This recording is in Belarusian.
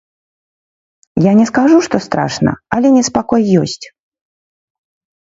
Я не скажу, што страшна, але неспакой ёсць.